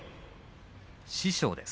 師匠です。